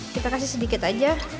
kita kasih sedikit aja